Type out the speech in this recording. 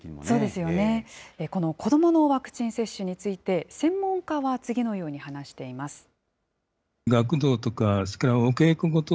そうですよね、この子どものワクチン接種について、専門家は次のように話しています。